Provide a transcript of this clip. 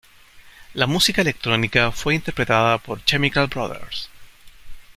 La música electrónica fue interpretada por Chemical Brothers.